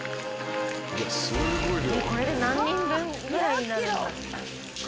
これで何人分ぐらいになるんだろう。